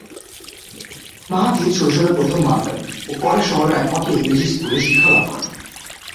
Mahathir শৈশবে প্রথমে Malay ও পরে শহরের একমাত্র ইংরেজি স্কুলে শিক্ষা লাভ করেন।